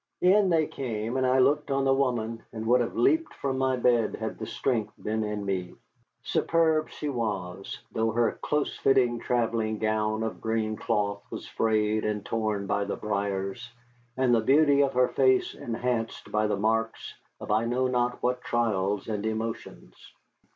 In they came, and I looked on the woman, and would have leaped from my bed had the strength been in me. Superb she was, though her close fitting travelling gown of green cloth was frayed and torn by the briers, and the beauty of her face enhanced by the marks of I know not what trials and emotions.